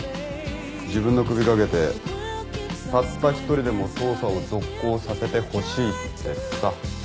自分の首懸けてたった１人でも捜査を続行させてほしいってさ。